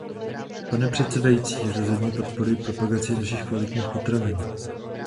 Pane předsedající, rozhodně podporuji propagaci našich kvalitních potravin.